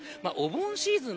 お盆シーズン